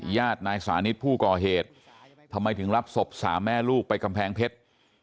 ญาตินายสานิทผู้ก่อเหตุทำไมถึงรับศพสามแม่ลูกไปกำแพงเพชร